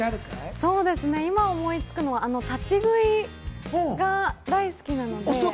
今、思いつくのは立ち食いが大好きなので。